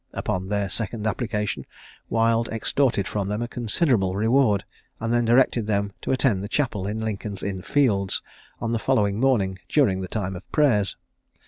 Upon their second application Wild extorted from them a considerable reward, and then directed them to attend the chapel in Lincoln's inn Fields on the following morning, during the time of prayers.